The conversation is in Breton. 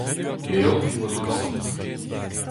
Levrioù a bep seurt.